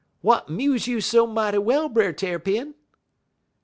"'W'at 'muze you so mighty well, Brer Tarrypin?'